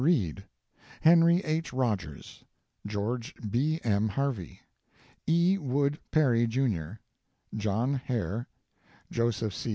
Reed, Henry H. Rogers, George Harvey, E. Wood Perry, Jr., John Hare, Joseph C.